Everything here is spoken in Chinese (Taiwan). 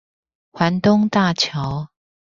環東大橋